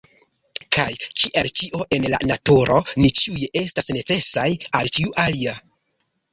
Kaj, kiel ĉio en la Naturo, ni ĉiuj estas necesaj al ĉiu alia.